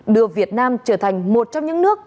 đưa việt nam trở thành một trong những nước